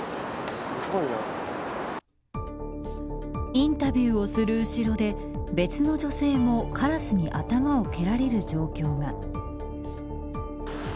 インタビューをする後ろで別の女性もカラスに頭を蹴られる状況が。